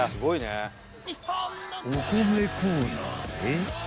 ［お米コーナーへ］